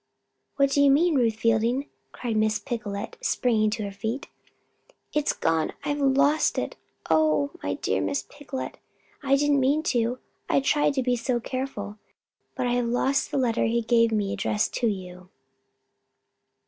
"What do you mean, Ruth Fielding?" cried Miss Picolet, springing to her feet. "It's gone I've lost it! Oh, my dear Miss Picolet! I didn't mean to. I tried to be so careful. But I have lost the letter he gave me addressed to you!"